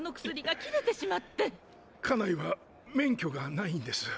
家内は免許がないんです。